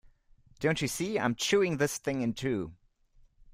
Don't you see, I'm chewing this thing in two.